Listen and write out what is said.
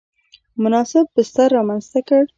مناسب بستر رامنځته کړ.